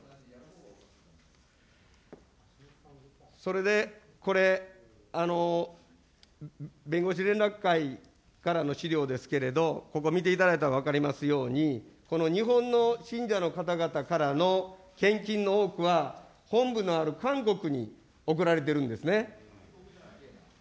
それで、これ、弁護士連絡会からの資料ですけれども、ここ見ていただいたら分かりますように、この日本の信者の方々からの献金の多くは、本部のある韓国に送られてるんですね。